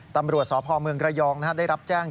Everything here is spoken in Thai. ตำรวจสพเมืองระยองได้รับแจ้ง